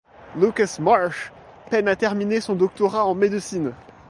Lucas Marsh peine à terminer son doctorat en médecine.